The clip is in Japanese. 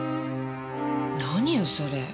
何よそれ。